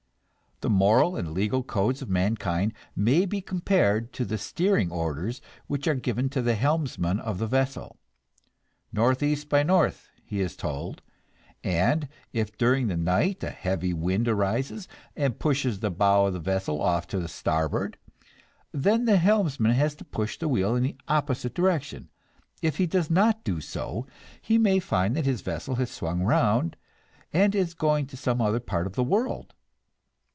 The moral and legal codes of mankind may be compared to the steering orders which are given to the helmsman of the vessel. Northeast by north, he is told; and if during the night a heavy wind arises, and pushes the bow of the vessel off to starboard, then the helmsman has to push the wheel in the opposite direction. If he does not do so, he may find that his vessel has swung around and is going to some other part of the world.